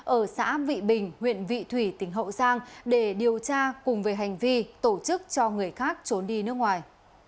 ở xã vị bình huyện vị thủy tỉnh hậu giang để điều tra cùng về hành vi tổ chức cho người khác trốn đi nước ngoài